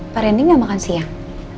pak rendy gak makan siang